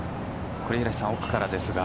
奥からですが。